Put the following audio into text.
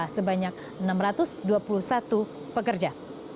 sebanyak enam ratus dua puluh satu pekerja